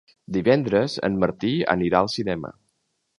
Divendres en Martí anirà al cinema.